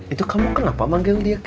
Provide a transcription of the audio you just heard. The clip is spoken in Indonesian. itu kamu kenapa manggil dia